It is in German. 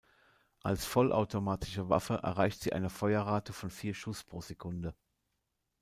Als vollautomatische Waffe erreicht sie eine Feuerrate von vier Schuss pro Sekunde.